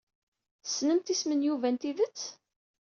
Tessnemt isem n Yuba n tidet?